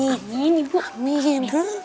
amin ibu amin